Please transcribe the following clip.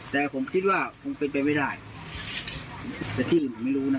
แต่ผมคิดว่าคงเป็นไปไม่ได้แต่ที่อื่นผมไม่รู้นะ